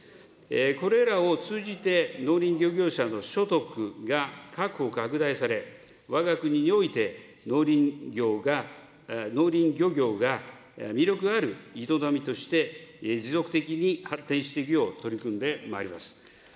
これらを通じて、農林漁業者の所得が確保、拡大され、わが国において農林漁業が魅力ある営みとして持続的に発展していくよう取り組んでまいります。